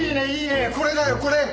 これだよこれ！